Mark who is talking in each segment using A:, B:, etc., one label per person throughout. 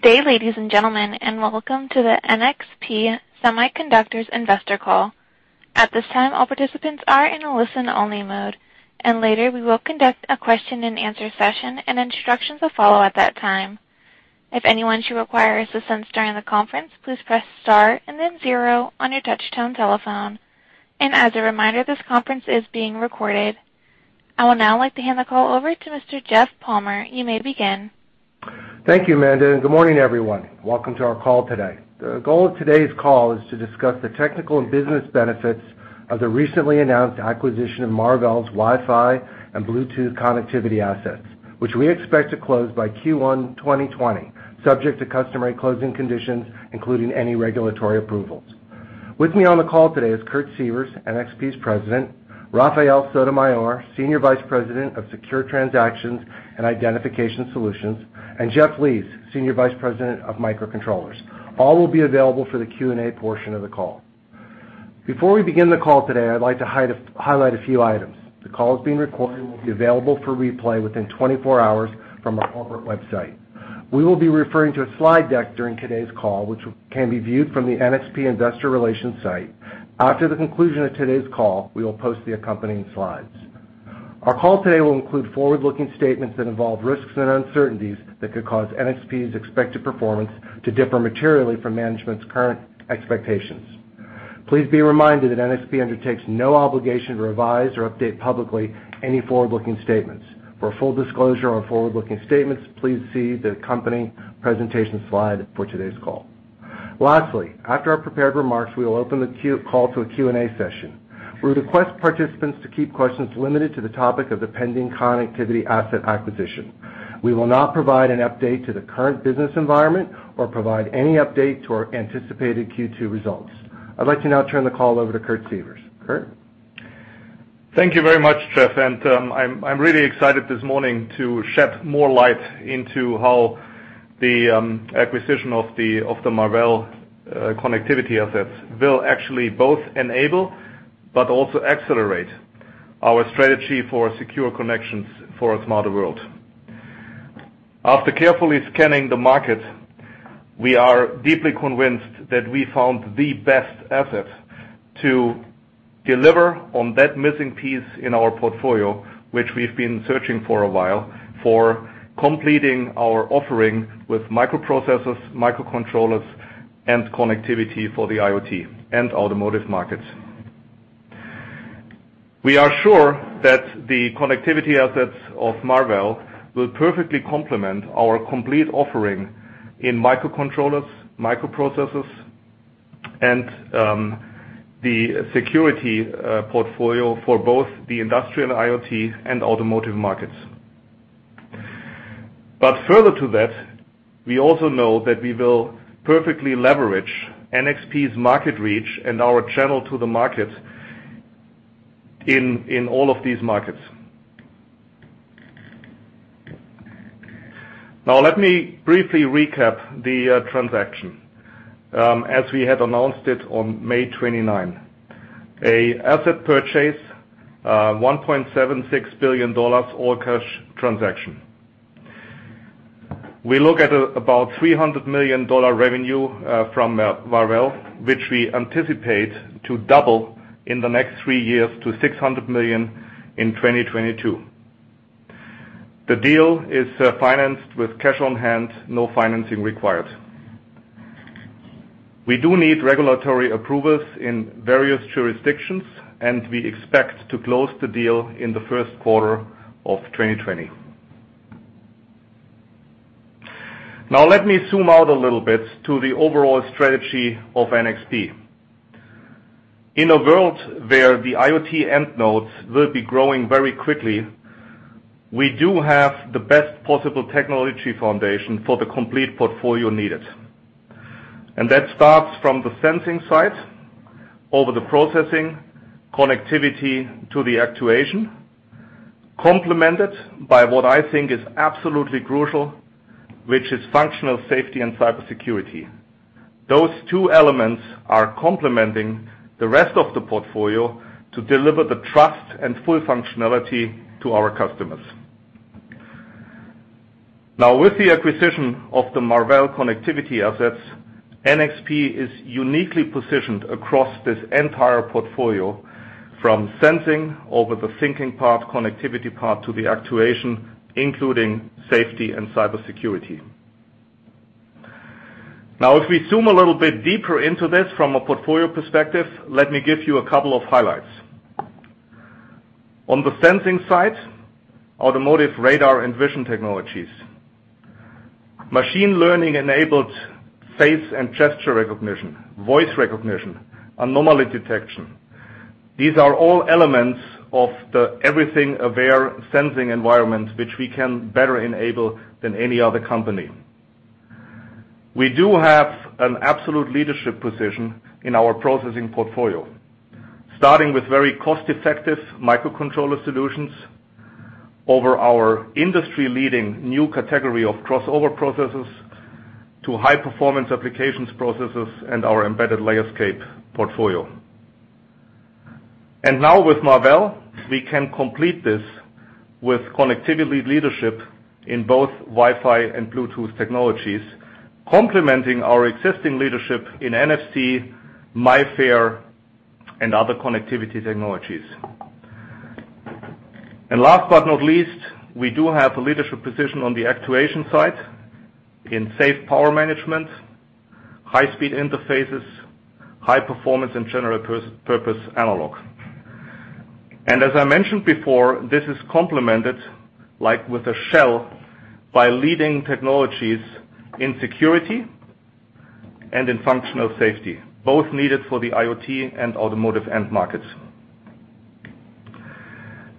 A: Good day, ladies and gentlemen, and welcome to the NXP Semiconductors investor call. At this time, all participants are in a listen-only mode. Later we will conduct a question and answer session, and instructions will follow at that time. If anyone should require assistance during the conference, please press star and then zero on your touch-tone telephone. As a reminder, this conference is being recorded. I would now like to hand the call over to Mr. Jeff Palmer. You may begin.
B: Thank you, Amanda, and good morning, everyone. Welcome to our call today. The goal of today's call is to discuss the technical and business benefits of the recently announced acquisition of Marvell's Wi-Fi and Bluetooth connectivity assets, which we expect to close by Q1 2020, subject to customary closing conditions, including any regulatory approvals. With me on the call today is Kurt Sievers, NXP's president, Rafael Sotomayor, senior vice president of secure transactions and identification solutions, and Geoff Lees, senior vice president of microcontrollers. All will be available for the Q&A portion of the call. Before we begin the call today, I'd like to highlight a few items. The call is being recorded and will be available for replay within 24 hours from our corporate website. We will be referring to a slide deck during today's call, which can be viewed from the NXP investor relations site. After the conclusion of today's call, we will post the accompanying slides. Our call today will include forward-looking statements that involve risks and uncertainties that could cause NXP's expected performance to differ materially from management's current expectations. Please be reminded that NXP undertakes no obligation to revise or update publicly any forward-looking statements. For a full disclosure on forward-looking statements, please see the accompanying presentation slide for today's call. Lastly, after our prepared remarks, we will open the call to a Q&A session. We request participants to keep questions limited to the topic of the pending connectivity asset acquisition. We will not provide an update to the current business environment or provide any update to our anticipated Q2 results. I'd like to now turn the call over to Kurt Sievers. Kurt?
C: Thank you very much, Jeff. I'm really excited this morning to shed more light into how the acquisition of the Marvell connectivity assets will actually both enable but also accelerate our strategy for secure connections for a smarter world. After carefully scanning the market, we are deeply convinced that we found the best asset to deliver on that missing piece in our portfolio, which we've been searching for a while, for completing our offering with microprocessors, microcontrollers, and connectivity for the IoT and automotive markets. We are sure that the connectivity assets of Marvell will perfectly complement our complete offering in microcontrollers, microprocessors and the security portfolio for both the industrial IoT and automotive markets. Further to that, we also know that we will perfectly leverage NXP's market reach and our channel to the market in all of these markets. Now let me briefly recap the transaction. As we had announced it on May 29, a asset purchase, $1.76 billion all-cash transaction. We look at about $300 million revenue from Marvell, which we anticipate to double in the next three years to $600 million in 2022. The deal is financed with cash on hand, no financing required. We do need regulatory approvals in various jurisdictions, and we expect to close the deal in the first quarter of 2020. Let me zoom out a little bit to the overall strategy of NXP. In a world where the IoT end nodes will be growing very quickly, we do have the best possible technology foundation for the complete portfolio needed. That starts from the sensing side, over the processing, connectivity to the actuation, complemented by what I think is absolutely crucial, which is functional safety and cybersecurity. Those two elements are complementing the rest of the portfolio to deliver the trust and full functionality to our customers. With the acquisition of the Marvell connectivity assets, NXP is uniquely positioned across this entire portfolio from sensing over the thinking part, connectivity part, to the actuation, including safety and cybersecurity. If we zoom a little bit deeper into this from a portfolio perspective, let me give you a couple of highlights. On the sensing side, automotive radar and vision technologies, machine learning-enabled face and gesture recognition, voice recognition, anomaly detection. These are all elements of the everything-aware sensing environment, which we can better enable than any other company. We do have an absolute leadership position in our processing portfolio, starting with very cost-effective microcontroller solutions over our industry-leading new category of crossover processors, to high-performance applications processors, and our embedded Layerscape portfolio. Now with Marvell, we can complete this with connectivity leadership in both Wi-Fi and Bluetooth technologies, complementing our existing leadership in NFC, MIFARE, and other connectivity technologies. Last but not least, we do have a leadership position on the actuation side in safe power management, high speed interfaces, high performance, and general purpose analog. As I mentioned before, this is complemented, like with a shell, by leading technologies in security and in functional safety, both needed for the IoT and automotive end markets.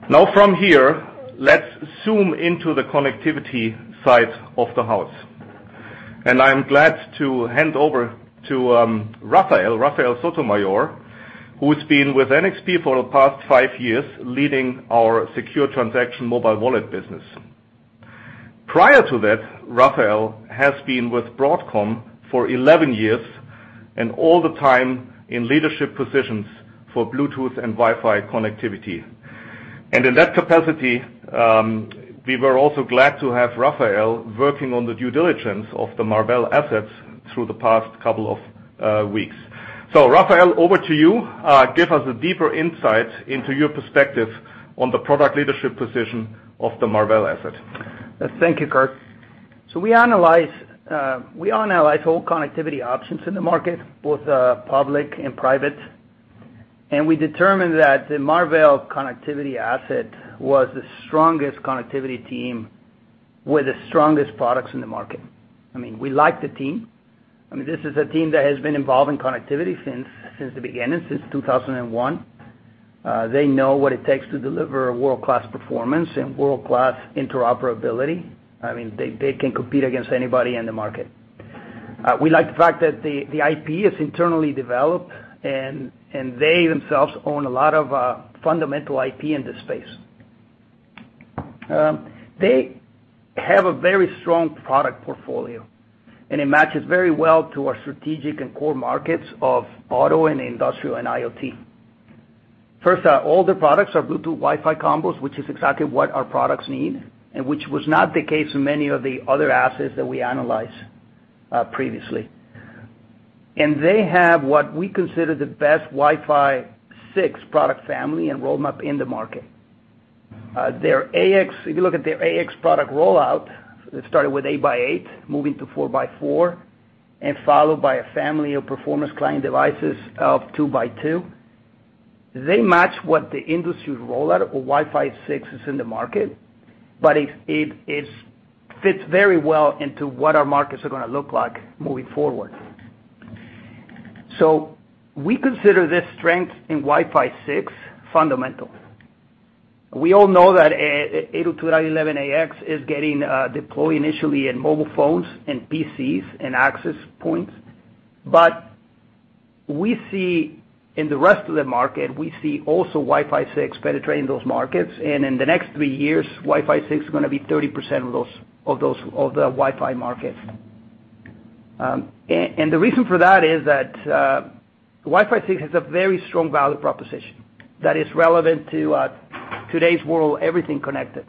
C: From here, let's zoom into the connectivity side of the house, and I'm glad to hand over to Rafael Sotomayor, who's been with NXP for the past five years, leading our secure transaction mobile wallet business. Prior to that, Rafael has been with Broadcom for 11 years, and all the time in leadership positions for Bluetooth and Wi-Fi connectivity. In that capacity, we were also glad to have Rafael working on the due diligence of the Marvell assets through the past couple of weeks. Rafael, over to you. Give us a deeper insight into your perspective on the product leadership position of the Marvell asset.
D: Thank you, Kurt. We analyzed all connectivity options in the market, both public and private, and we determined that the Marvell connectivity asset was the strongest connectivity team with the strongest products in the market. We like the team. This is a team that has been involved in connectivity since the beginning, since 2001. They know what it takes to deliver world-class performance and world-class interoperability. They can compete against anybody in the market. We like the fact that the IP is internally developed and they themselves own a lot of fundamental IP in this space. They have a very strong product portfolio, and it matches very well to our strategic and core markets of auto and industrial and IoT. First, all their products are Bluetooth Wi-Fi combos, which is exactly what our products need, and which was not the case in many of the other assets that we analyzed previously. They have what we consider the best Wi-Fi 6 product family and roadmap in the market. If you look at their AX product rollout, it started with eight by eight, moving to four by four, and followed by a family of performance client devices of two by two. They match what the industry's rollout of Wi-Fi 6 is in the market, but it fits very well into what our markets are going to look like moving forward. We consider this strength in Wi-Fi 6 fundamental. We all know that 802.11ax is getting deployed initially in mobile phones and PCs and access points. We see in the rest of the market, we see also Wi-Fi 6 penetrating those markets. In the next three years, Wi-Fi 6 is going to be 30% of the Wi-Fi market. The reason for that is that Wi-Fi 6 has a very strong value proposition that is relevant to today's world, everything connected.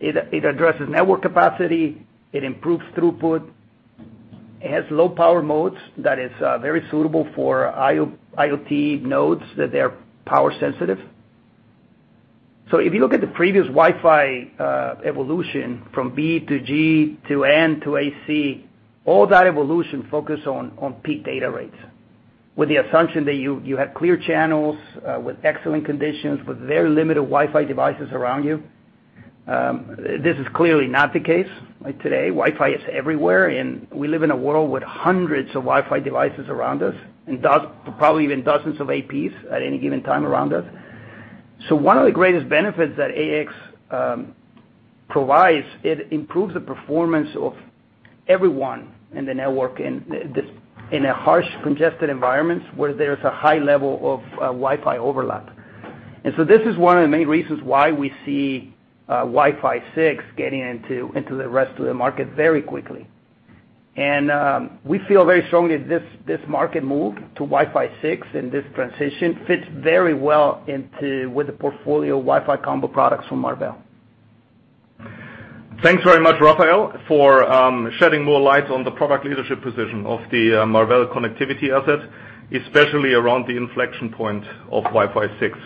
D: It addresses network capacity, it improves throughput, it has low power modes that is very suitable for IoT nodes that they are power sensitive. If you look at the previous Wi-Fi evolution from B to G to N to AC, all that evolution focused on peak data rates with the assumption that you had clear channels with excellent conditions, with very limited Wi-Fi devices around you. This is clearly not the case today. Wi-Fi is everywhere, and we live in a world with hundreds of Wi-Fi devices around us, and probably even dozens of APs at any given time around us. One of the greatest benefits that AX provides, it improves the performance of everyone in the network in a harsh, congested environments where there's a high level of Wi-Fi overlap. This is one of the main reasons why we see Wi-Fi 6 getting into the rest of the market very quickly. We feel very strongly this market move to Wi-Fi 6 and this transition fits very well with the portfolio Wi-Fi combo products from Marvell.
C: Thanks very much, Rafael, for shedding more light on the product leadership position of the Marvell connectivity asset, especially around the inflection point of Wi-Fi 6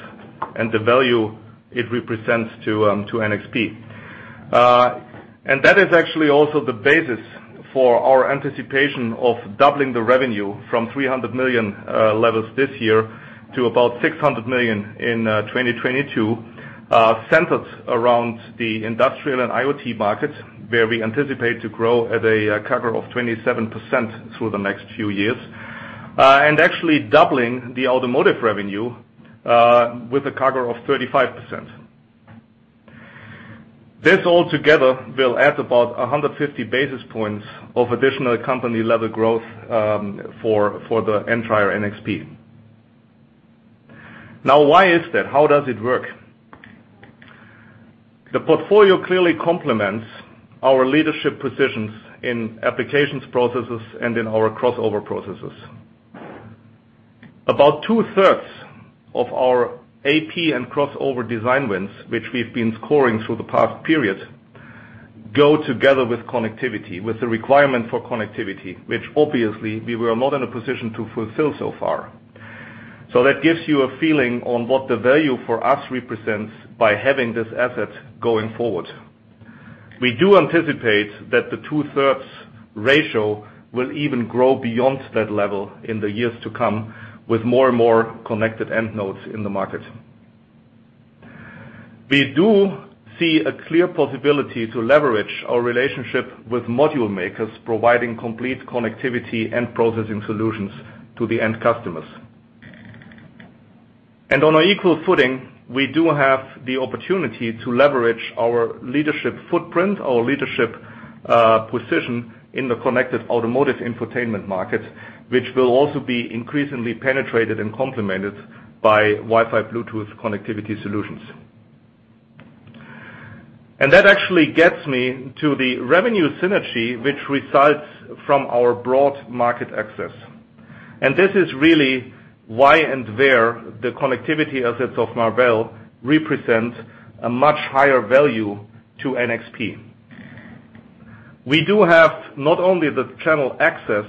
C: and the value it represents to NXP. That is actually also the basis for our anticipation of doubling the revenue from $300 million levels this year to about $600 million in 2022, centered around the industrial and IoT markets, where we anticipate to grow at a CAGR of 27% through the next few years. Actually doubling the automotive revenue with a CAGR of 35%. This all together will add about 150 basis points of additional company-level growth for the entire NXP. Now, why is that? How does it work? The portfolio clearly complements our leadership positions in applications processors and in our crossover processors. About two-thirds of our AP and crossover design wins, which we've been scoring through the past period, go together with connectivity, with the requirement for connectivity, which obviously we were not in a position to fulfill so far. That gives you a feeling on what the value for us represents by having this asset going forward. We do anticipate that the two-thirds ratio will even grow beyond that level in the years to come, with more and more connected end nodes in the market. We do see a clear possibility to leverage our relationship with module makers, providing complete connectivity and processing solutions to the end customers. On an equal footing, we do have the opportunity to leverage our leadership footprint, our leadership position in the connected automotive infotainment market, which will also be increasingly penetrated and complemented by Wi-Fi, Bluetooth connectivity solutions. That actually gets me to the revenue synergy, which results from our broad market access. This is really why and where the connectivity assets of Marvell represent a much higher value to NXP. We do have not only the channel access,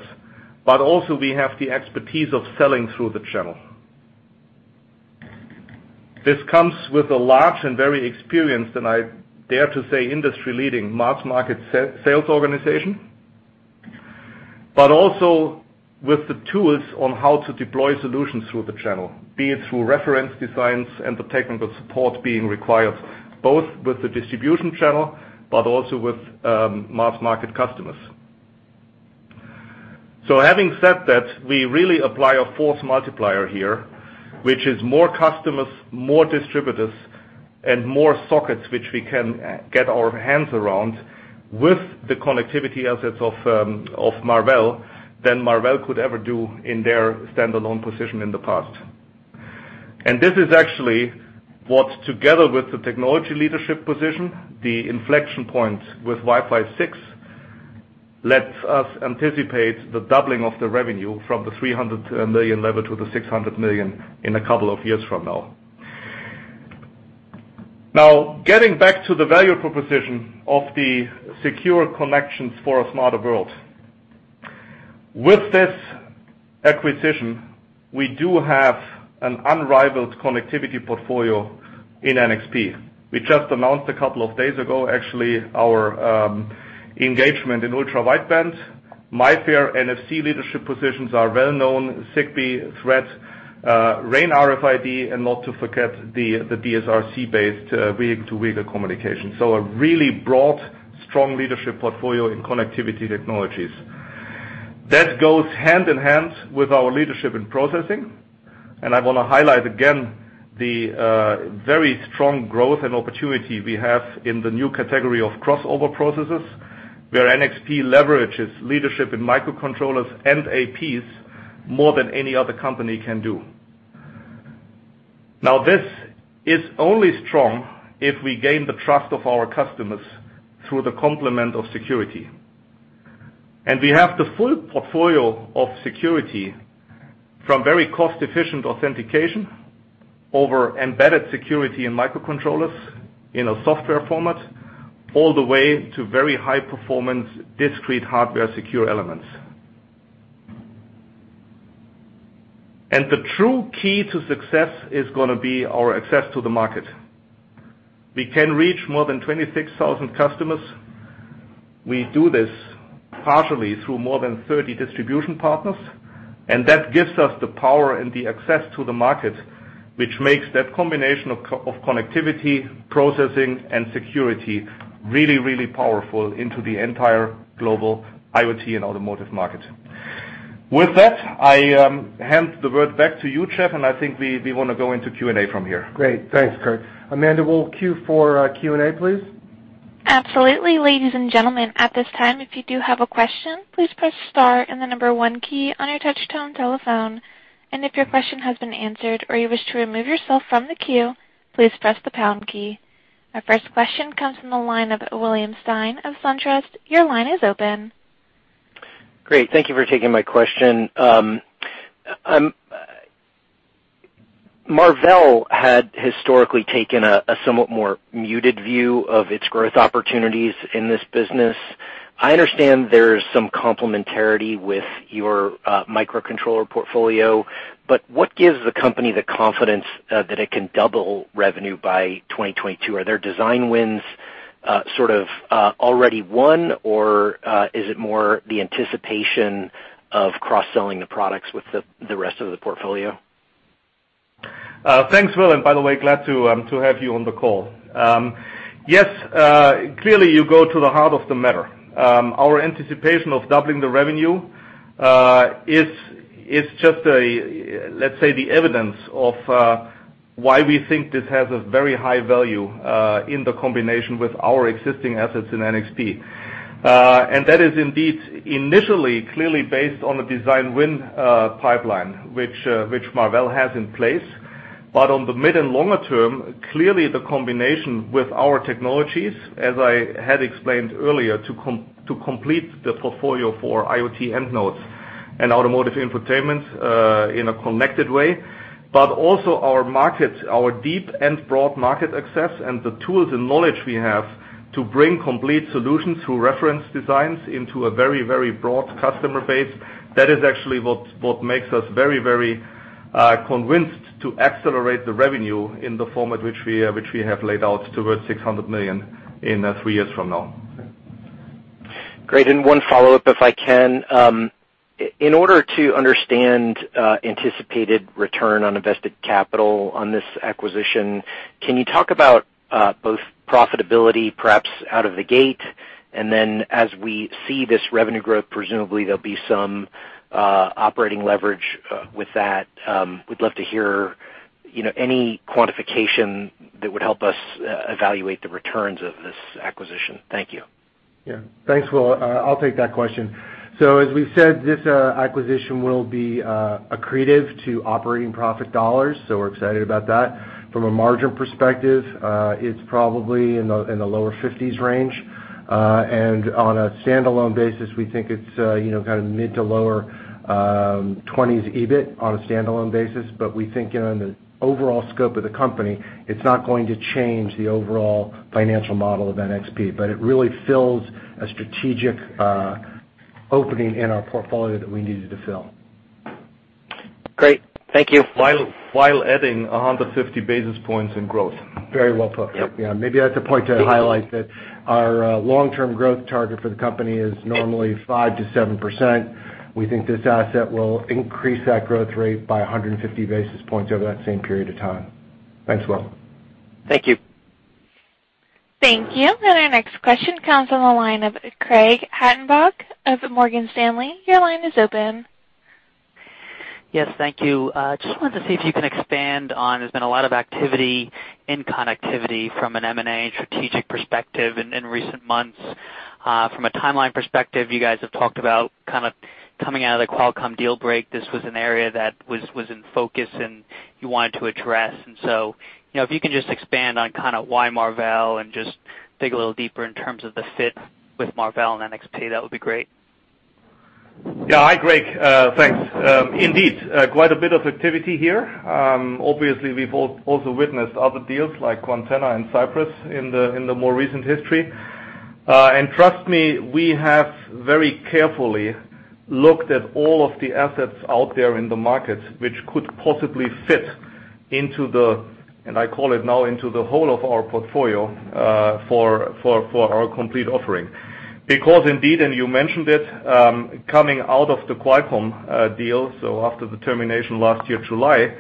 C: but also we have the expertise of selling through the channel. This comes with a large and very experienced, and I dare to say, industry-leading mass market sales organization, but also with the tools on how to deploy solutions through the channel, be it through reference designs and the technical support being required, both with the distribution channel, but also with mass market customers. Having said that, we really apply a force multiplier here, which is more customers, more distributors and more sockets, which we can get our hands around with the connectivity assets of Marvell than Marvell could ever do in their standalone position in the past. This is actually what, together with the technology leadership position, the inflection point with Wi-Fi 6, lets us anticipate the doubling of the revenue from the $300 million level to the $600 million in a couple of years from now. Now, getting back to the value proposition of the secure connections for a smarter world. With this acquisition, we do have an unrivaled connectivity portfolio in NXP. We just announced a couple of days ago, actually, our engagement in ultra-wideband. MIFARE NFC leadership positions are well known, Zigbee, Thread, RAIN RFID, and not to forget the DSRC-based vehicle-to-vehicle communication. A really broad, strong leadership portfolio in connectivity technologies. That goes hand in hand with our leadership in processing. I want to highlight again, the very strong growth and opportunity we have in the new category of crossover processors, where NXP leverages leadership in microcontrollers and APs more than any other company can do. This is only strong if we gain the trust of our customers through the complement of security. We have the full portfolio of security, from very cost-efficient authentication over embedded security and microcontrollers in a software format, all the way to very high-performance, discrete hardware secure elements. The true key to success is going to be our access to the market. We can reach more than 26,000 customers. We do this partially through more than 30 distribution partners, that gives us the power and the access to the market, which makes that combination of connectivity, processing, and security really, really powerful into the entire global IoT and automotive market. With that, I hand the word back to you, Jeff, I think we want to go into Q&A from here.
B: Great. Thanks, Kurt. Amanda, we'll queue for Q&A, please.
A: Absolutely. Ladies and gentlemen, at this time, if you do have a question, please press star and the number one key on your touch-tone telephone. If your question has been answered or you wish to remove yourself from the queue, please press the pound key. Our first question comes from the line of William Stein of SunTrust. Your line is open.
E: Great. Thank you for taking my question. Marvell had historically taken a somewhat more muted view of its growth opportunities in this business. I understand there's some complementarity with your microcontroller portfolio, but what gives the company the confidence that it can double revenue by 2022? Are there design wins sort of already won, or is it more the anticipation of cross-selling the products with the rest of the portfolio?
C: Thanks, Will, and by the way, glad to have you on the call. Yes, clearly, you go to the heart of the matter. Our anticipation of doubling the revenue, is just, let's say, the evidence of why we think this has a very high value in the combination with our existing assets in NXP. That is indeed initially clearly based on a design win pipeline, which Marvell has in place. On the mid and longer term, clearly the combination with our technologies, as I had explained earlier, to complete the portfolio for IoT end nodes and automotive infotainment in a connected way, also our markets, our deep and broad market access and the tools and knowledge we have to bring complete solutions through reference designs into a very broad customer base. That is actually what makes us very convinced to accelerate the revenue in the format which we have laid out towards $600 million in three years from now.
E: Great. One follow-up, if I can. In order to understand anticipated return on invested capital on this acquisition, can you talk about both profitability perhaps out of the gate, and then as we see this revenue growth, presumably there'll be some operating leverage with that. We'd love to hear any quantification that would help us evaluate the returns of this acquisition. Thank you.
B: Thanks, Will. I'll take that question. As we said, this acquisition will be accretive to operating profit dollars, so we're excited about that. From a margin perspective, it's probably in the lower 50s range. On a standalone basis, we think it's mid to lower 20s EBIT on a standalone basis. We think in the overall scope of the company, it's not going to change the overall financial model of NXP, but it really fills a strategic opening in our portfolio that we needed to fill.
E: Great. Thank you.
C: While adding 150 basis points in growth.
B: Very well put.
E: Yep.
B: Yeah, maybe that's a point to highlight that our long-term growth target for the company is normally 5% to 7%. We think this asset will increase that growth rate by 150 basis points over that same period of time. Thanks, Will.
E: Thank you.
A: Thank you. Our next question comes from the line of Craig Hettenbach of Morgan Stanley. Your line is open.
F: Yes, thank you. Just wanted to see if you can expand on, there's been a lot of activity in connectivity from an M&A strategic perspective in recent months. From a timeline perspective, you guys have talked about coming out of the Qualcomm deal break, this was an area that was in focus and you wanted to address. If you can just expand on why Marvell and just dig a little deeper in terms of the fit with Marvell and NXP, that would be great.
C: Hi, Craig. Thanks. Indeed, quite a bit of activity here. Obviously, we've also witnessed other deals like Quantenna and Cypress in the more recent history. Trust me, we have very carefully looked at all of the assets out there in the market, which could possibly fit into the, and I call it now, into the whole of our portfolio, for our complete offering. Indeed, and you mentioned it, coming out of the Qualcomm deal, after the termination last year, July,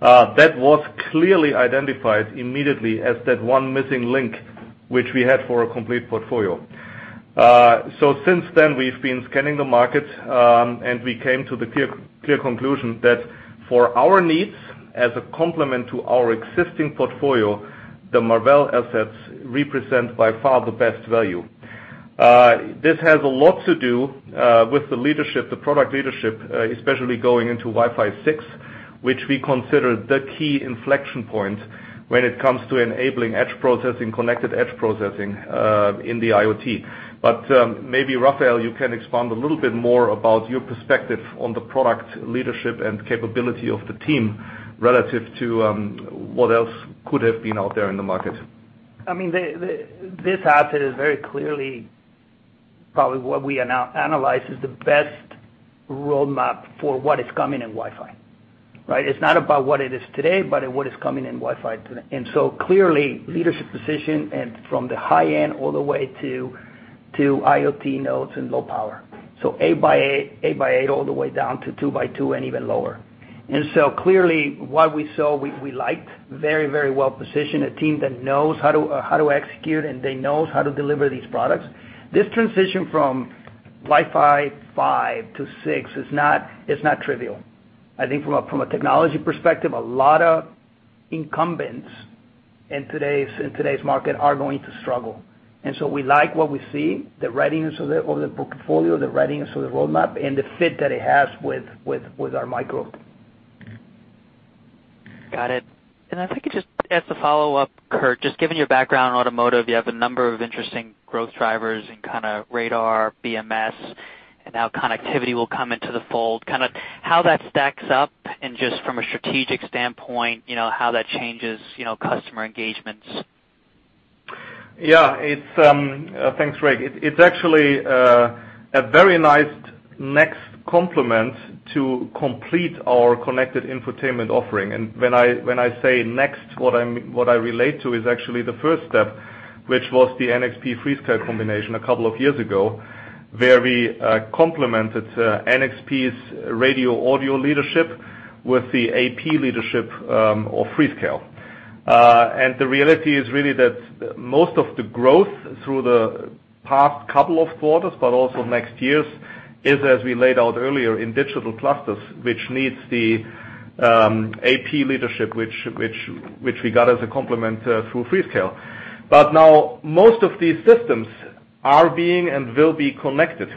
C: that was clearly identified immediately as that one missing link which we had for a complete portfolio. Since then, we've been scanning the market, and we came to the clear conclusion that for our needs as a complement to our existing portfolio, the Marvell assets represent by far the best value. This has a lot to do with the product leadership, especially going into Wi-Fi 6, which we consider the key inflection point when it comes to enabling edge processing, connected edge processing, in the IoT. Maybe Rafael, you can expand a little bit more about your perspective on the product leadership and capability of the team relative to what else could have been out there in the market.
D: This asset is very clearly probably what we analyzed is the best roadmap for what is coming in Wi-Fi. Right? It is not about what it is today, but what is coming in Wi-Fi today. Clearly, leadership position and from the high-end all the way to IoT nodes and low power. Eight by eight all the way down to two by two and even lower. Clearly what we saw, we liked. Very well positioned. A team that knows how to execute and they know how to deliver these products. This transition from Wi-Fi 5 to 6 is not trivial. I think from a technology perspective, a lot of incumbents in today's market are going to struggle. We like what we see, the readiness of the portfolio, the readiness of the roadmap, and the fit that it has with our micro.
F: Got it. I think it just as a follow-up, Kurt, just given your background in automotive, you have a number of interesting growth drivers in radar, BMS, and now connectivity will come into the fold, how that stacks up and just from a strategic standpoint, how that changes customer engagements.
C: Thanks, Craig. It's actually a very nice next complement to complete our connected infotainment offering. When I say next, what I relate to is actually the first step, which was the NXP Freescale combination a couple of years ago, where we complemented NXP's radio audio leadership with the AP leadership of Freescale. The reality is really that most of the growth through the past couple of quarters, but also next years, is, as we laid out earlier, in digital clusters, which needs the AP leadership, which we got as a complement through Freescale. Now most of these systems are being and will be connected.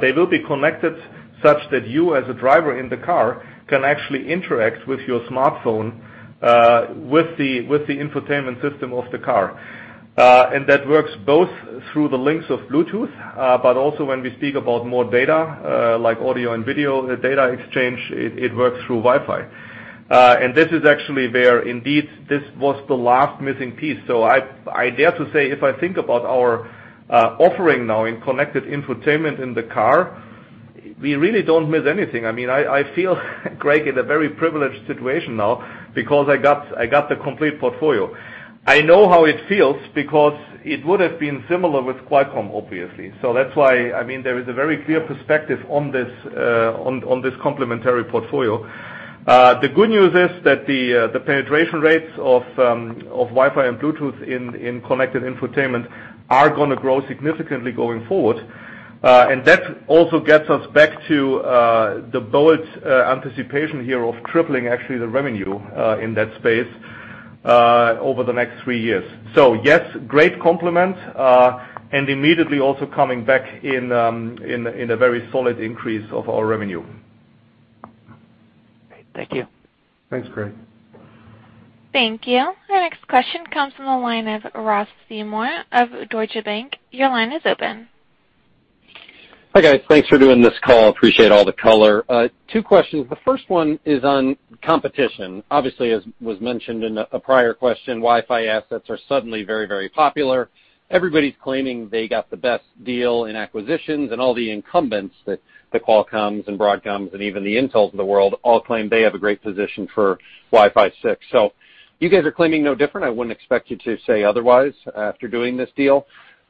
C: They will be connected such that you, as a driver in the car, can actually interact with your smartphone, with the infotainment system of the car. That works both through the links of Bluetooth, but also when we speak about more data, like audio and video data exchange, it works through Wi-Fi. This is actually where, indeed, this was the last missing piece. I dare to say, if I think about our offering now in connected infotainment in the car, we really don't miss anything. I feel, Craig, in a very privileged situation now because I got the complete portfolio. I know how it feels because it would've been similar with Qualcomm, obviously. That's why, there is a very clear perspective on this complementary portfolio. The good news is that the penetration rates of Wi-Fi and Bluetooth in connected infotainment are going to grow significantly going forward. That also gets us back to the bold anticipation here of tripling actually the revenue in that space over the next three years. Yes, great complement, and immediately also coming back in a very solid increase of our revenue.
F: Great. Thank you.
G: Thanks, Craig.
A: Thank you. Our next question comes from the line of Ross Seymore of Deutsche Bank. Your line is open.
H: Hi, guys. Thanks for doing this call. Appreciate all the color. Two questions. The first one is on competition. Obviously, as was mentioned in a prior question, Wi-Fi assets are suddenly very popular. Everybody's claiming they got the best deal in acquisitions, and all the incumbents, the Qualcomms and Broadcoms, and even the Intels of the world, all claim they have a great position for Wi-Fi 6. You guys are claiming no different. I wouldn't expect you to say otherwise after doing this deal.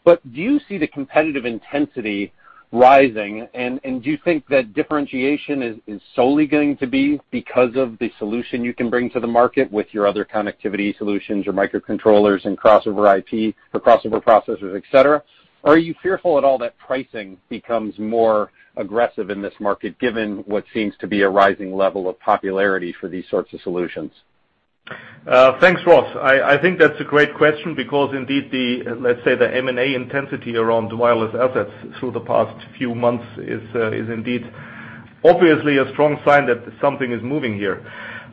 H: Do you see the competitive intensity rising, and do you think that differentiation is solely going to be because of the solution you can bring to the market with your other connectivity solutions, your microcontrollers and crossover IP for crossover processors, et cetera? Are you fearful at all that pricing becomes more aggressive in this market, given what seems to be a rising level of popularity for these sorts of solutions?
C: Thanks, Ross. I think that's a great question because indeed the, let's say the M&A intensity around wireless assets through the past few months is indeed obviously a strong sign that something is moving here.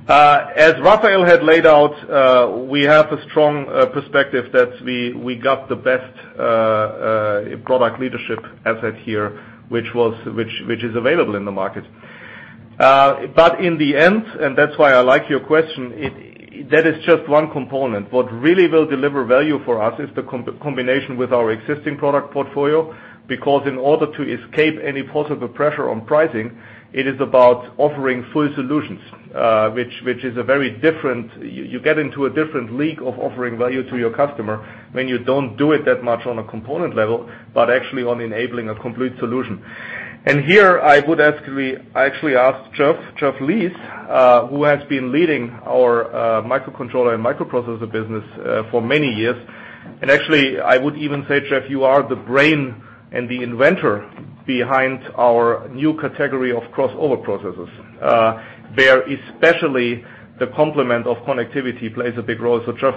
C: As Rafael had laid out, we have a strong perspective that we got the best product leadership asset here, which is available in the market. In the end, and that's why I like your question, that is just one component. What really will deliver value for us is the combination with our existing product portfolio. Because in order to escape any possible pressure on pricing, it is about offering full solutions, which is a very different. You get into a different league of offering value to your customer when you don't do it that much on a component level, but actually on enabling a complete solution. Here I would actually ask Geoff Lees, who has been leading our microcontroller and microprocessor business for many years, and actually, I would even say, Geoff, you are the brain and the inventor behind our new category of crossover processors. Where especially the complement of connectivity plays a big role. Geoff,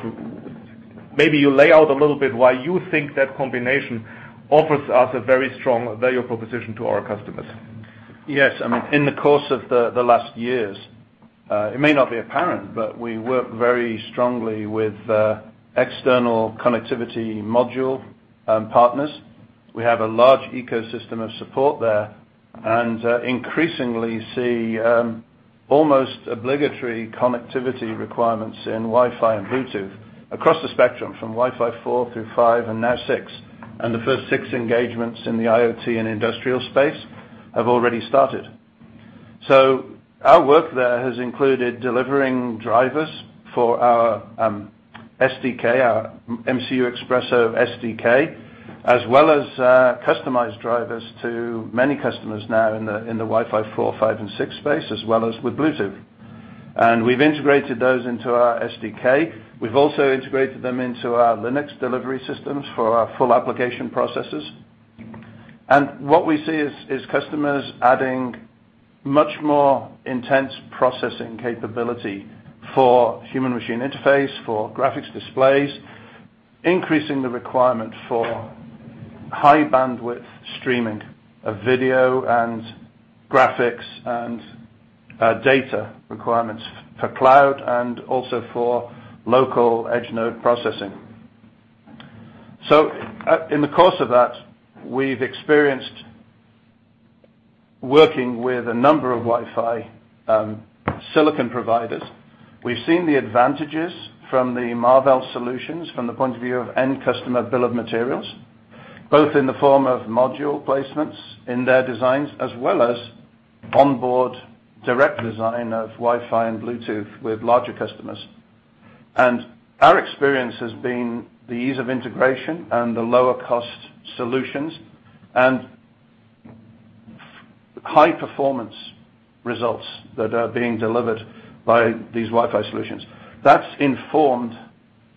C: maybe you lay out a little bit why you think that combination offers us a very strong value proposition to our customers.
G: Yes. In the course of the last years, it may not be apparent, but we work very strongly with external connectivity module partners. We have a large ecosystem of support there. Increasingly see almost obligatory connectivity requirements in Wi-Fi and Bluetooth across the spectrum, from Wi-Fi four through five, and now six. The first six engagements in the IoT and industrial space have already started. Our work there has included delivering drivers for our SDK, our MCUXpresso SDK, as well as customized drivers to many customers now in the Wi-Fi four, five, and six space, as well as with Bluetooth. We've integrated those into our SDK. We've also integrated them into our Linux delivery systems for our full applications processors. What we see is customers adding much more intense processing capability for human machine interface, for graphics displays, increasing the requirement for high bandwidth streaming of video and graphics, and data requirements for cloud and also for local edge node processing. In the course of that, we've experienced working with a number of Wi-Fi silicon providers. We've seen the advantages from the Marvell solutions from the point of view of end customer bill of materials, both in the form of module placements in their designs, as well as onboard direct design of Wi-Fi and Bluetooth with larger customers. Our experience has been the ease of integration and the lower cost solutions and high-performance results that are being delivered by these Wi-Fi solutions. That's informed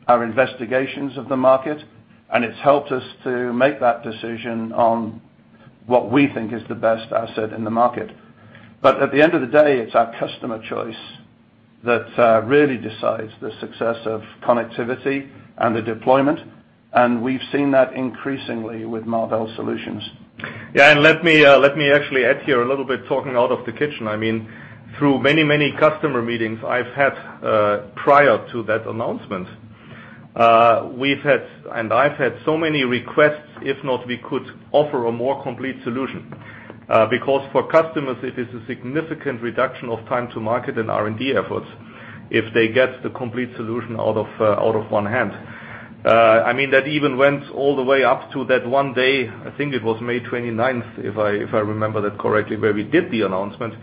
G: our investigations of the market, and it's helped us to make that decision on what we think is the best asset in the market. At the end of the day, it's our customer choice that really decides the success of connectivity and the deployment, and we've seen that increasingly with Marvell solutions.
C: Let me actually add here a little bit, talking out of the kitchen. Through many customer meetings I've had prior to that announcement, I've had so many requests, if not, we could offer a more complete solution. For customers, it is a significant reduction of time to market and R&D efforts if they get the complete solution out of one hand. That even went all the way up to that one day, I think it was May 29th, if I remember that correctly, where we did the announcement.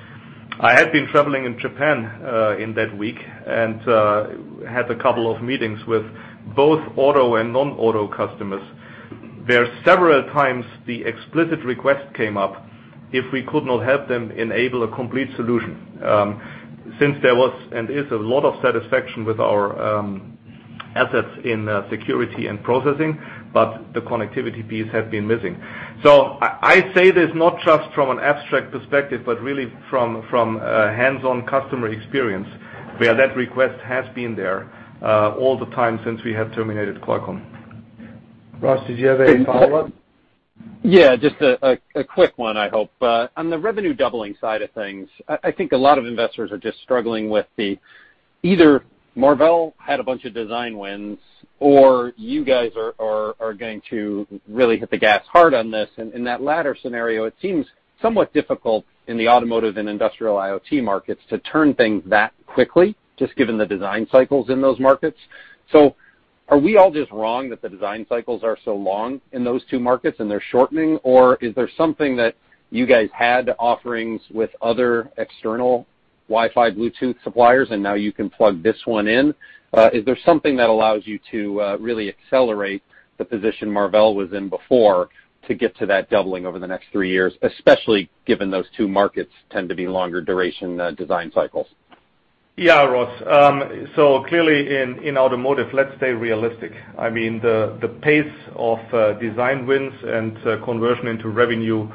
C: I had been traveling in Japan in that week and had a couple of meetings with both auto and non-auto customers, where several times the explicit request came up if we could not help them enable a complete solution. There was and is a lot of satisfaction with our assets in security and processing, but the connectivity piece had been missing. I say this not just from an abstract perspective, but really from hands-on customer experience, where that request has been there all the time since we have terminated Qualcomm.
G: Ross, did you have any follow-up?
H: Just a quick one, I hope. On the revenue doubling side of things, I think a lot of investors are just struggling with either Marvell had a bunch of design wins, or you guys are going to really hit the gas hard on this. In that latter scenario, it seems somewhat difficult in the automotive and industrial IoT markets to turn things that quickly, just given the design cycles in those markets. Are we all just wrong that the design cycles are so long in those two markets and they're shortening, or is there something that you guys had offerings with other external Wi-Fi, Bluetooth suppliers, and now you can plug this one in? Is there something that allows you to really accelerate the position Marvell was in before to get to that doubling over the next three years, especially given those two markets tend to be longer duration design cycles?
C: Yeah, Ross. Clearly in automotive, let's stay realistic. The pace of design wins and conversion into revenue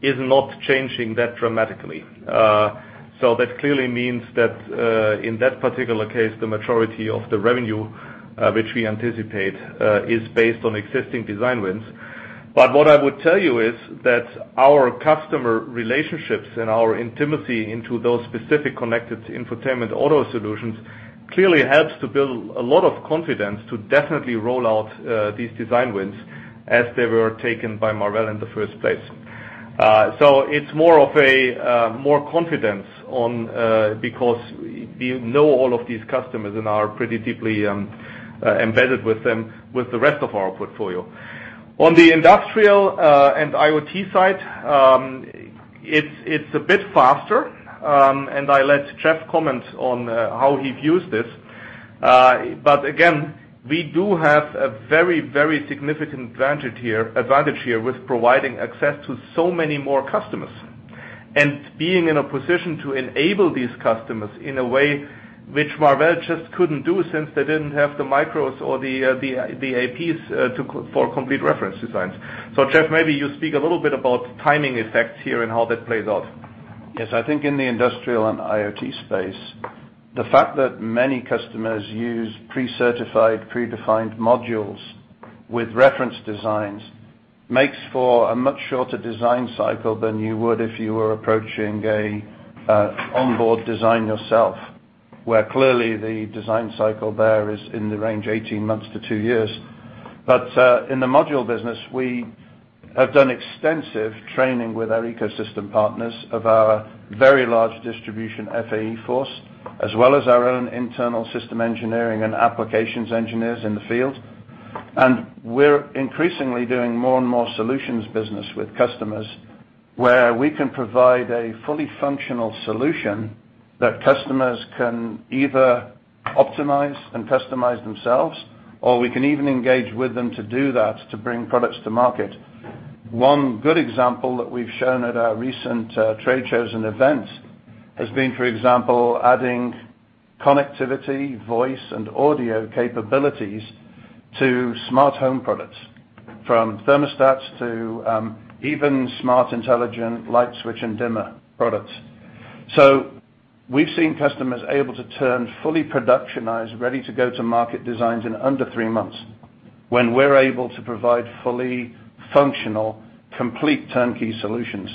C: is not changing that dramatically. That clearly means that in that particular case, the majority of the revenue which we anticipate is based on existing design wins. What I would tell you is that our customer relationships and our intimacy into those specific connected infotainment auto solutions clearly helps to build a lot of confidence to definitely roll out these design wins as they were taken by Marvell in the first place. It's more of a more confidence on, because we know all of these customers and are pretty deeply embedded with them, with the rest of our portfolio. On the industrial and IoT side, it's a bit faster, and I let Jeff comment on how he views this. Again, we do have a very significant advantage here with providing access to so many more customers. Being in a position to enable these customers in a way which Marvell just couldn't do since they didn't have the micros or the APs for complete reference designs. Jeff, maybe you speak a little bit about timing effects here and how that plays out.
G: Yes, I think in the industrial and IoT space, the fact that many customers use pre-certified, predefined modules with reference designs makes for a much shorter design cycle than you would if you were approaching an onboard design yourself, where clearly the design cycle there is in the range 18 months to two years. In the module business, we have done extensive training with our ecosystem partners of our very large distribution FAE force, as well as our own internal system engineering and applications engineers in the field. We're increasingly doing more and more solutions business with customers, where we can provide a fully functional solution that customers can either optimize and customize themselves, or we can even engage with them to do that, to bring products to market. One good example that we've shown at our recent trade shows and events has been, for example, adding connectivity, voice, and audio capabilities to smart home products, from thermostats to even smart, intelligent light switch and dimmer products. We've seen customers able to turn fully productionized, ready-to-go-to-market designs in under three months, when we're able to provide fully functional, complete turnkey solutions.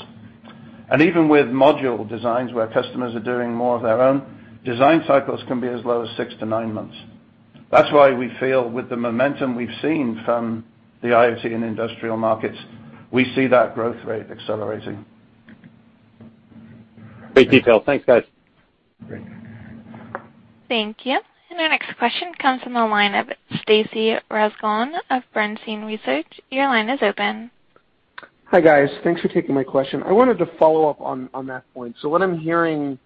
G: Even with module designs where customers are doing more of their own, design cycles can be as low as six to nine months. That's why we feel with the momentum we've seen from the IoT and industrial markets, we see that growth rate accelerating.
H: Great detail. Thanks, guys.
A: Thank you. Our next question comes from the line of Stacy Rasgon of Bernstein Research. Your line is open.
I: Hi, guys. Thanks for taking my question. I wanted to follow up on that point. What I'm hearing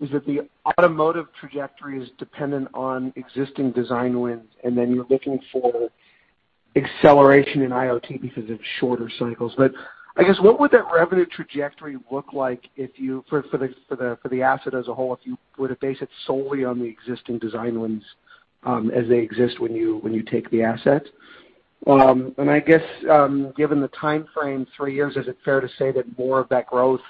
I: is that the automotive trajectory is dependent on existing design wins, and then you're looking for acceleration in IoT because of shorter cycles. I guess, what would that revenue trajectory look like for the asset as a whole, if you were to base it solely on the existing design wins as they exist when you take the asset? I guess, given the timeframe, three years, is it fair to say that more of that growth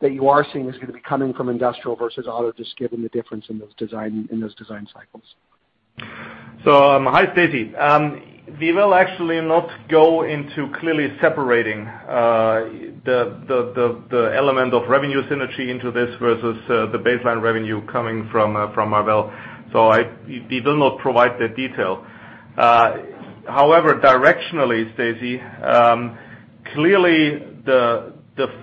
I: that you are seeing is going to be coming from industrial versus auto, just given the difference in those design cycles?
C: Hi, Stacy. We will actually not go into clearly separating the element of revenue synergy into this versus the baseline revenue coming from Marvell. We will not provide that detail. However, directionally, Stacy, clearly the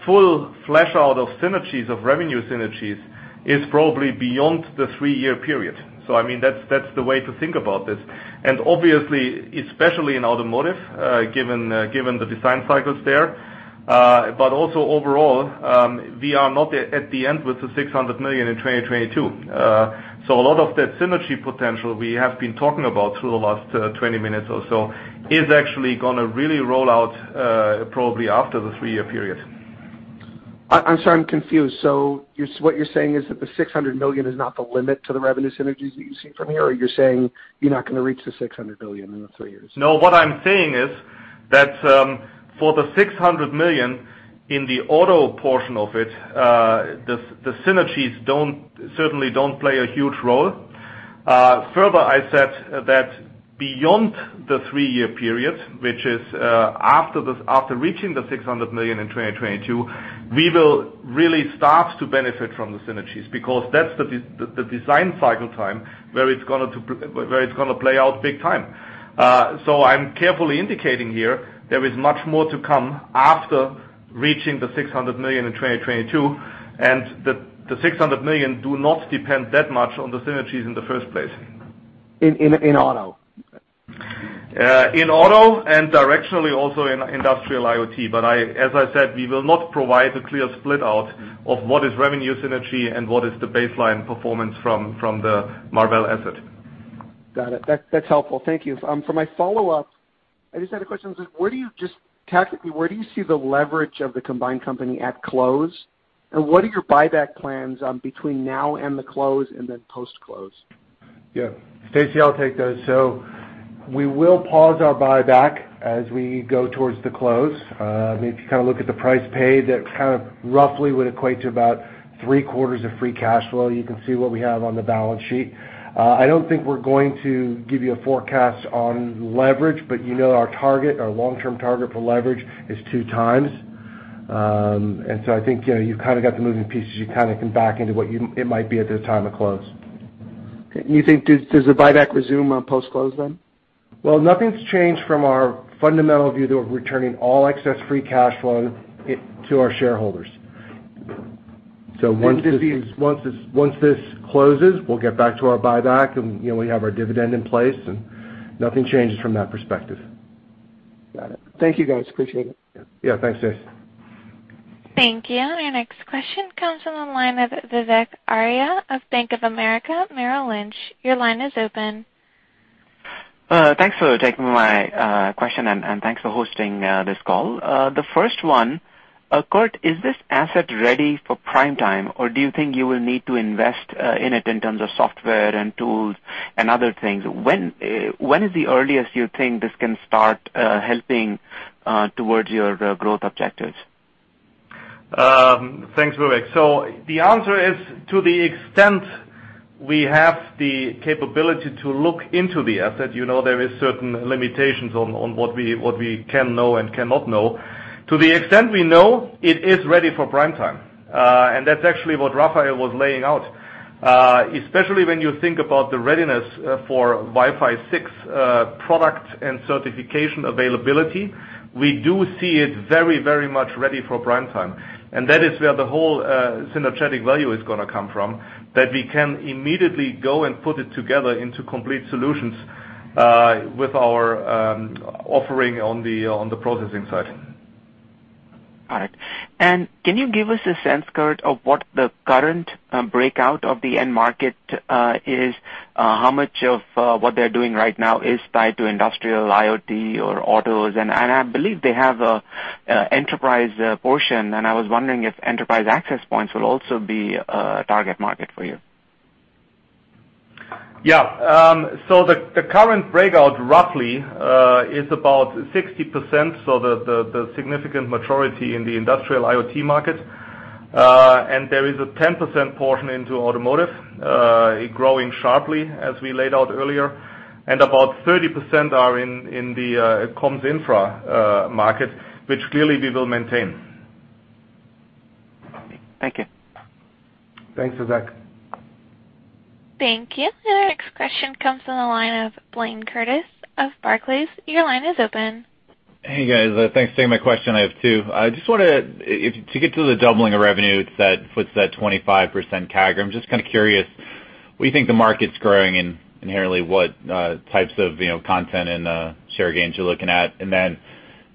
C: full flesh out of synergies, of revenue synergies, is probably beyond the three-year period. That's the way to think about this. Obviously, especially in automotive, given the design cycles there. Also overall, we are not at the end with the $600 million in 2022. A lot of that synergy potential we have been talking about through the last 20 minutes or so is actually going to really roll out probably after the three-year period.
I: I'm sorry, I'm confused. What you're saying is that the $600 million is not the limit to the revenue synergies that you see from here, or you're saying you're not going to reach the $600 million in the three years?
C: No, what I'm saying is that for the $600 million in the auto portion of it, the synergies certainly don't play a huge role. Further, I said that beyond the three-year period, which is after reaching the $600 million in 2022, we will really start to benefit from the synergies, because that's the design cycle time where it's going to play out big time. I'm carefully indicating here, there is much more to come after reaching the $600 million in 2022, and the $600 million do not depend that much on the synergies in the first place.
I: In auto?
C: In auto, and directionally also in industrial IoT, but as I said, we will not provide a clear split out of what is revenue synergy and what is the baseline performance from the Marvell asset.
I: Got it. That's helpful. Thank you. For my follow-up, I just had a question. Just tactically, where do you see the leverage of the combined company at close, and what are your buyback plans between now and the close, and then post-close?
B: Yeah. Stacy, I'll take those. We will pause our buyback as we go towards the close. If you look at the price paid, that roughly would equate to about three quarters of free cash flow. You can see what we have on the balance sheet. I don't think we're going to give you a forecast on leverage, but you know our target, our long-term target for leverage is two times. I think, you've got the moving pieces. You can back into what it might be at the time of close.
I: Okay. Does the buyback resume on post-close then?
B: Well, nothing's changed from our fundamental view that we're returning all excess free cash flow to our shareholders. Once this closes, we'll get back to our buyback, and we have our dividend in place and nothing changes from that perspective.
I: Got it. Thank you, guys. Appreciate it.
B: Yeah. Thanks, Stacy.
A: Thank you. Our next question comes from the line of Vivek Arya of Bank of America Merrill Lynch. Your line is open.
J: Thanks for taking my question. Thanks for hosting this call. The first one. Kurt, is this asset ready for prime time, or do you think you will need to invest in it in terms of software and tools and other things? When is the earliest you think this can start helping towards your growth objectives?
C: Thanks, Vivek. The answer is, to the extent we have the capability to look into the asset, there is certain limitations on what we can know and cannot know. To the extent we know, it is ready for prime time. That's actually what Rafael was laying out. Especially when you think about the readiness for Wi-Fi 6 product and certification availability, we do see it very much ready for prime time. That is where the whole synergetic value is going to come from, that we can immediately go and put it together into complete solutions with our offering on the processing side.
J: Got it. Can you give us a sense, Kurt, of what the current breakout of the end market is? How much of what they're doing right now is tied to industrial IoT or autos? I believe they have an enterprise portion, and I was wondering if enterprise access points will also be a target market for you.
C: The current breakout roughly is about 60%, the significant majority in the industrial IoT market. There is a 10% portion into automotive growing sharply, as we laid out earlier. About 30% are in the comms infra market, which clearly we will maintain.
J: Thank you.
C: Thanks, Vivek.
A: Thank you. Our next question comes from the line of Blayne Curtis of Barclays. Your line is open.
K: Hey, guys. Thanks for taking my question. I have two. To get to the doubling of revenue, it said, puts that 25% CAGR. I'm just curious, what you think the market's growing and inherently what types of content and share gains you're looking at?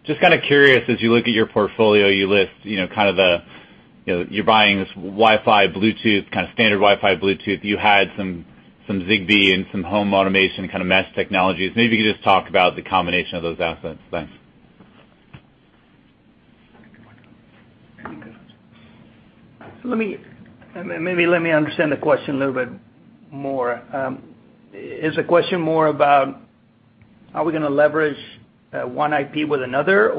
K: Just curious, as you look at your portfolio, you're buying this Wi-Fi, Bluetooth, kind of standard Wi-Fi, Bluetooth. You had some Zigbee and some home automation kind of mesh technologies. Maybe you could just talk about the combination of those assets. Thanks.
D: Maybe let me understand the question a little bit more. Is the question more about are we going to leverage one IP with another?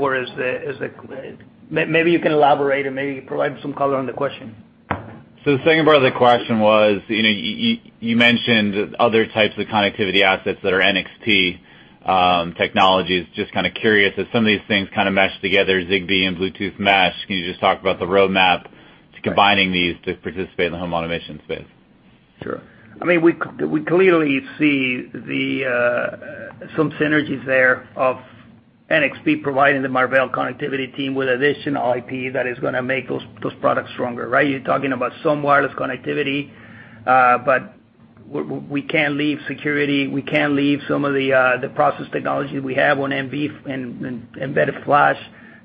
D: Maybe you can elaborate or maybe provide some color on the question.
K: The second part of the question was, you mentioned other types of connectivity assets that are NXP technologies. Just kind of curious if some of these things kind of mesh together, Zigbee and Bluetooth mesh. Can you just talk about the roadmap to combining these to participate in the home automation space?
D: Sure. We clearly see some synergies there of NXP providing the Marvell connectivity team with additional IP that is going to make those products stronger, right? You're talking about some wireless connectivity, we can't leave security, we can't leave some of the process technology we have on MRAM and embedded flash.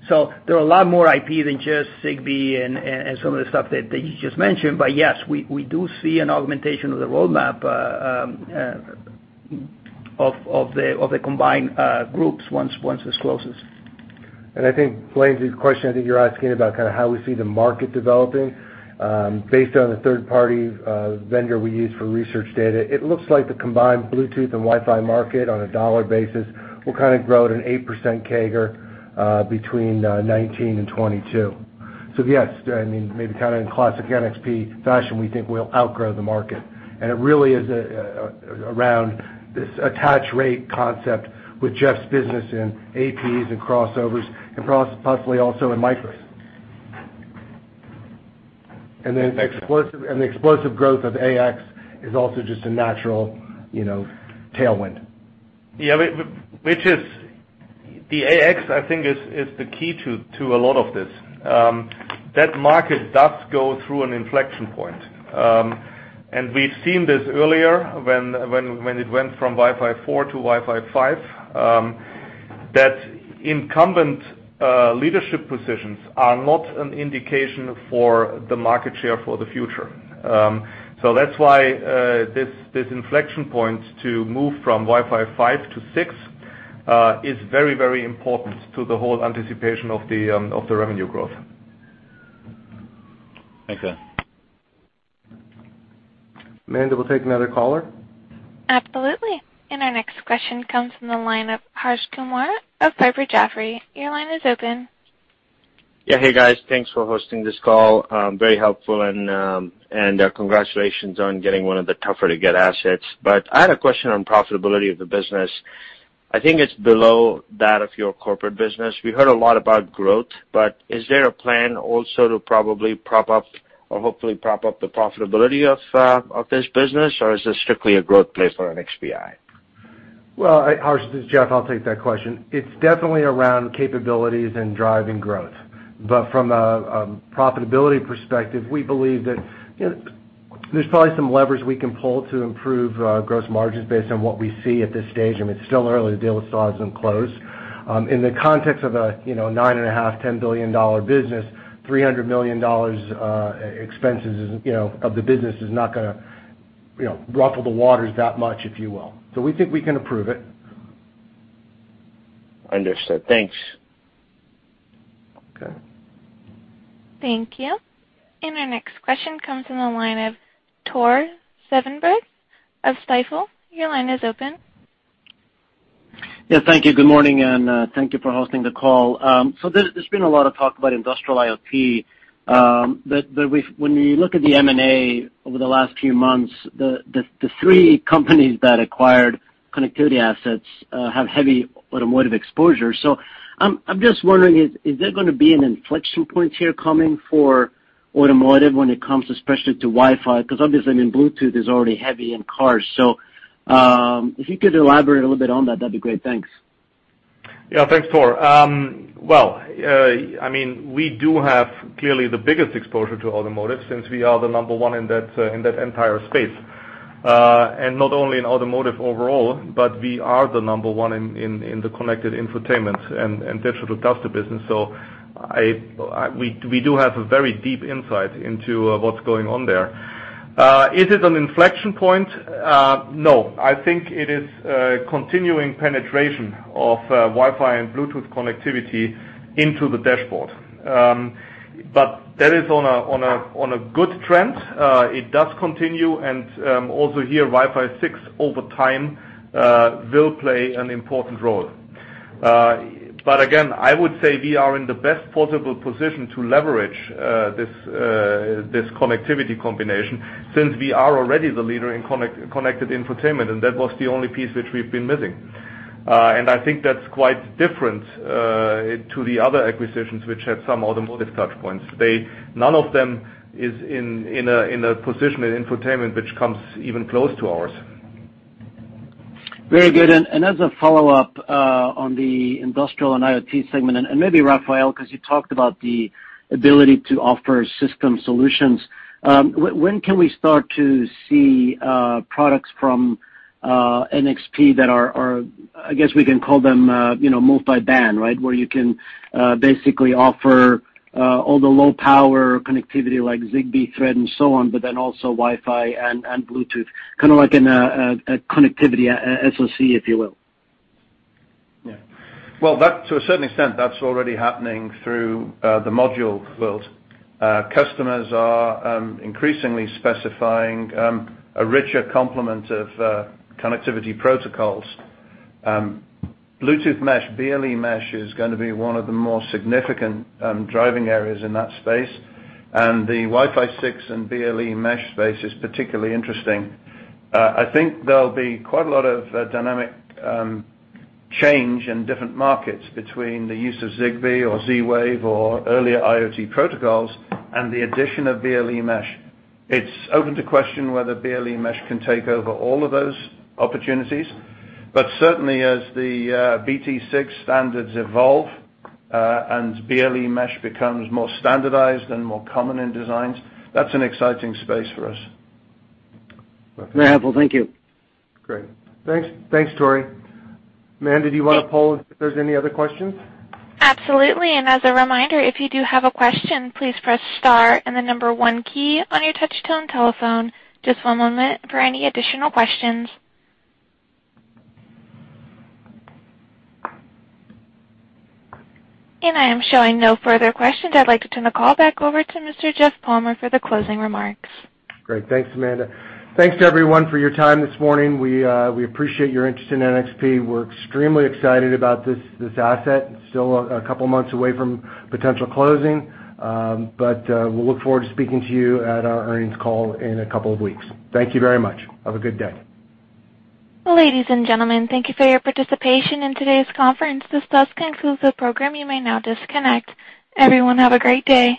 D: There are a lot more IP than just Zigbee and some of the stuff that you just mentioned, yes, we do see an augmentation of the roadmap of the combined groups once this closes.
B: Blayne, to the question I think you're asking about how we see the market developing. Based on the third-party vendor we use for research data, it looks like the combined Bluetooth and Wi-Fi market, on a dollar basis, will grow at an 8% CAGR between 2019 and 2022. Yes, maybe in classic NXP fashion, we think we'll outgrow the market. It really is around this attach rate concept with Jeff's business in APs and crossovers, and possibly also in micros. The explosive growth of AX is also just a natural tailwind.
C: Yeah. The AX, I think, is the key to a lot of this. That market does go through an inflection point. We've seen this earlier when it went from Wi-Fi 4 to Wi-Fi 5, that incumbent leadership positions are not an indication for the market share for the future. That's why this inflection point to move from Wi-Fi 5 to 6 is very important to the whole anticipation of the revenue growth.
K: Thank you.
B: Amanda, we'll take another caller.
A: Absolutely. Our next question comes from the line of Harsh Kumar of Piper Sandler. Your line is open.
L: Yeah. Hey, guys. Thanks for hosting this call. Very helpful, and congratulations on getting one of the tougher to get assets. I had a question on profitability of the business. I think it's below that of your corporate business. We heard a lot about growth, is there a plan also to probably prop up, or hopefully prop up the profitability of this business, or is this strictly a growth play for NXP?
B: Well, Harsh, this is Jeff. I'll take that question. It's definitely around capabilities and driving growth. From a profitability perspective, we believe that there's probably some leverage we can pull to improve gross margins based on what we see at this stage, it's still early. The deal is still hasn't closed. In the context of a $9.5 billion, $10 billion business, $300 million expenses of the business is not going to ruffle the waters that much, if you will. We think we can improve it.
L: Understood. Thanks.
B: Okay.
A: Thank you. Our next question comes from the line of Tore Svanberg of Stifel. Your line is open.
M: Yeah. Thank you. Good morning, and thank you for hosting the call. There's been a lot of talk about industrial IoT. When you look at the M&A over the last few months, the three companies that acquired connectivity assets have heavy automotive exposure. I'm just wondering, is there going to be an inflection point here coming for automotive when it comes especially to Wi-Fi? Because obviously, Bluetooth is already heavy in cars. If you could elaborate a little bit on that'd be great. Thanks.
C: Yeah. Thanks, Tor. We do have clearly the biggest exposure to automotive since we are the number one in that entire space. Not only in automotive overall, but we are the number one in the connected infotainment and digital cluster business. We do have a very deep insight into what's going on there. Is it an inflection point? No. I think it is a continuing penetration of Wi-Fi and Bluetooth connectivity into the dashboard. That is on a good trend. It does continue, and also here, Wi-Fi 6 over time will play an important role. Again, I would say we are in the best possible position to leverage this connectivity combination since we are already the leader in connected infotainment, and that was the only piece which we've been missing. I think that's quite different to the other acquisitions which had some automotive touch points. None of them is in a position in infotainment which comes even close to ours.
M: Very good. As a follow-up on the industrial and IoT segment, and maybe Rafael, because you talked about the ability to offer system solutions. When can we start to see products from NXP that are, I guess we can call them multi-band, where you can basically offer all the low power connectivity like Zigbee Thread and so on, but then also Wi-Fi and Bluetooth, kind of like a connectivity SoC, if you will?
G: Yeah. Well, to a certain extent, that's already happening through the module world. Customers are increasingly specifying a richer complement of connectivity protocols. Bluetooth mesh, BLE mesh, is going to be one of the more significant driving areas in that space. The Wi-Fi 6 and BLE mesh space is particularly interesting. I think there'll be quite a lot of dynamic change in different markets between the use of Zigbee or Z-Wave or earlier IoT protocols and the addition of BLE mesh. It's open to question whether BLE mesh can take over all of those opportunities. Certainly as the BT6 standards evolve, and BLE mesh becomes more standardized and more common in designs, that's an exciting space for us.
M: Very helpful. Thank you.
B: Great. Thanks, Tore. Amanda, do you want to poll if there's any other questions?
A: As a reminder, if you do have a question, please press star and the number one key on your touch tone telephone. Just one moment for any additional questions. I am showing no further questions. I'd like to turn the call back over to Mr. Jeff Palmer for the closing remarks.
B: Great. Thanks, Amanda. Thanks everyone for your time this morning. We appreciate your interest in NXP. We're extremely excited about this asset. Still a couple of months away from potential closing. We'll look forward to speaking to you at our earnings call in a couple of weeks. Thank you very much. Have a good day.
A: Ladies and gentlemen, thank you for your participation in today's conference. This does conclude the program. You may now disconnect. Everyone, have a great day